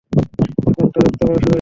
এখন তো রক্ত পড়া শুরু হয়েছে।